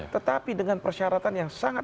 tetapi dengan persyaratan yang sangat